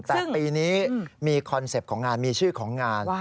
แต่ปีนี้มีคอนเซ็ปต์ของงานมีชื่อของงาน